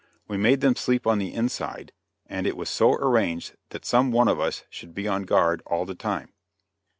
We made them sleep on the inside, and it was so arranged that some one of us should be on guard all the time.